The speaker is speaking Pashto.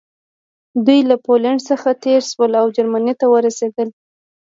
دوی له پولنډ څخه تېر شول او جرمني ته ورسېدل